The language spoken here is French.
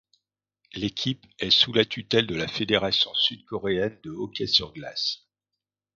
L'équipe est sous la tutelle de la Fédération sud-coréenne de hockey sur glace.